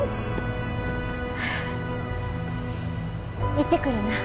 行ってくるな。